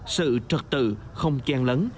sự trật tự không chen lấn